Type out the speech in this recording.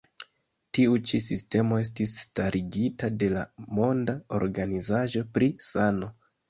Tiu ĉi sistemo estis starigita de la Monda Organizaĵo pri Sano.